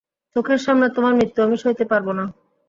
চোখের সামনে তোমার মৃত্যু আমি সইতে পারব না!